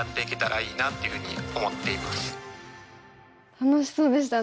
楽しそうでしたね。